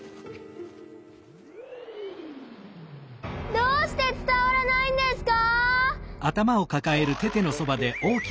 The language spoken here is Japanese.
どうしてつたわらないんですか！？